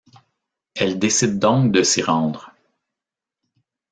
Elle décide donc de s'y rendre.